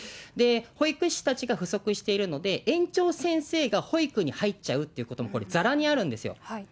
保育士たちが不足しているので、園長先生が保育に入っちゃうということもこれ、ざらにあるんですよ。